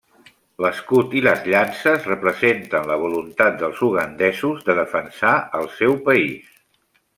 L'escut i les llances representen la voluntat dels ugandesos de defensar el seu país.